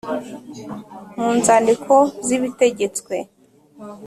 Mu nzandiko z'ibitegetswe